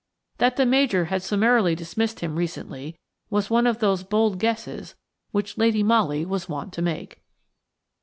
That the Major had summarily dismissed him recently was one of those bold guesses which Lady Molly was wont to make.